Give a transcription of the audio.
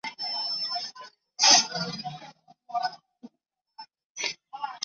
担任小说插画的是伊东杂音。